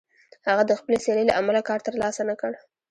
هغه د خپلې څېرې له امله کار تر لاسه نه کړ.